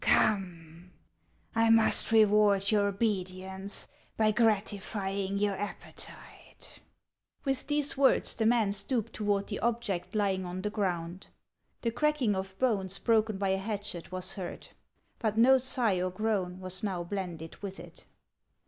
"Come, I must reward your obedience by gratifying your appetite." With these words, the man stooped toward the object lying on the ground. The cracking of bones broken by a hatchet was heard ; but no sigh or groan was now blended with it.